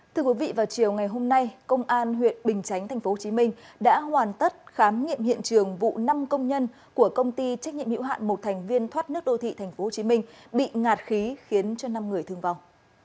thưa quý vị vào chiều ngày hôm nay công an huyện bình chánh tp hcm đã hoàn tất khám nghiệm hiện trường vụ năm công nhân của công ty trách nhiệm hiệu hạn một thành viên thoát nước đô thị tp hcm bị ngạt khí khiến cho năm người thương vong